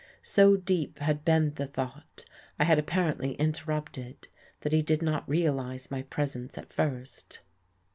So deep had been the thought I had apparently interrupted that he did not realize my presence at first.